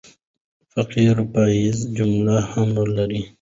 فقره پاییزه جمله هم لري.